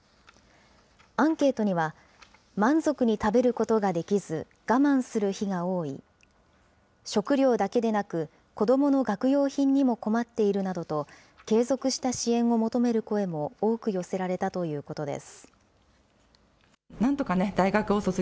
アンケートには、満足に食べることができず、我慢する日が多い、食料だけでなく、子どもの学用品にも困っているなどと、継続した支援を求める声も多く寄せられたということです。